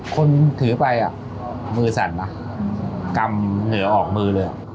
คนถือไปมือสั่นนะกำเหนือออกมือเลย